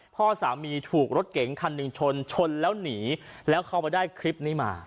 พ่อสามีถูกรถเก๋งคันหนึ่งชนชนแล้วหนีแล้วเขาไปได้คลิปนี้มา